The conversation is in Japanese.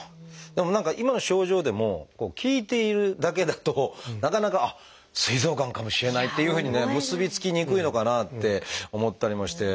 でも何か今の症状でも聞いているだけだとなかなか「あっすい臓がんかもしれない」っていうふうにね結び付きにくいのかなって思ったりもして。